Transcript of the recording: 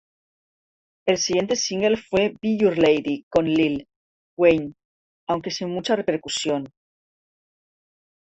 El siguiente single fue "Be Your Lady" con Lil' Wayne, aunque sin mucha repercusión.